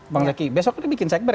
bang zaki besok kita bikin segber